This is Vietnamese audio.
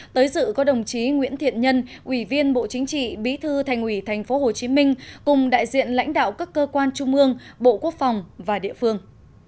sáu bảy một tới dự có đồng chí nguyễn thiện nhân ủy viên bộ chính trị bí thư thành ủy thành phố hồ chí minh cùng đại diện lãnh đạo các cơ quan trung ương bộ quốc phòng và địa phương